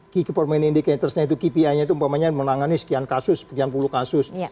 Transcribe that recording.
key performance indicatorsnya itu kpi nya itu umpamanya menangani sekian kasus sekian puluh kasus